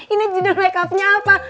ini judul makeup nya apa